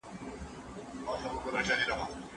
موږ بايد د مطالعې فرهنګ ته په پوره اهميت او درناوي وګورو.